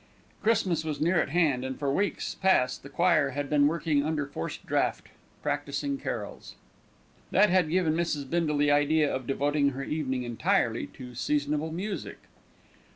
Christmas was near at hand, and for weeks past the choir had been working under forced draught, practising carols. That had given Mrs. Bindle the idea of devoting her evening entirely to seasonable music.